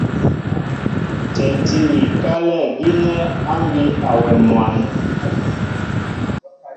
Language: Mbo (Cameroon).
Tyɛntí mi kálɛ gínɛ́ mbí awɛm mwǎn.